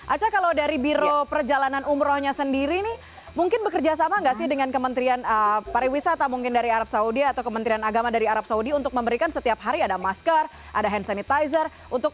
aca kalau dari biro perjalanan umrohnya sendiri nih mungkin bekerja sama nggak sih dengan kementerian pariwisata mungkin dari arab saudi atau kementerian agama dari arab saudi untuk memberikan setiap hari ada masker ada hand sanitizer